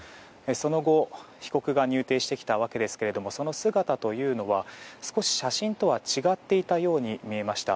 その後被告が入廷してきましたがその姿は写真とは違っていたように見えました。